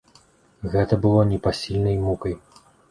Гэта было непасільнай мукай.